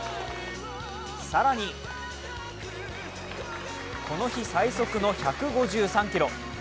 更に、この日最速の１５３キロ。